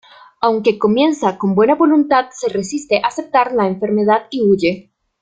Aunque comienza con buena voluntad, se resiste a aceptar la enfermedad y huye.